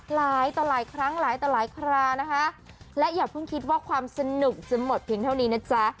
หลายต่อหลายครั้งหลายต่อหลายครานะคะและอย่าเพิ่งคิดว่าความสนุกจะหมดเพียงเท่านี้นะจ๊ะ